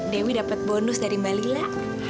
dewi dapat bonus dari mbak lila